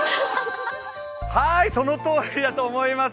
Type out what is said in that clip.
はーい、そのとおりだと思います。